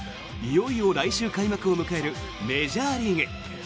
いよいよ来週開幕を迎えるメジャーリーグ。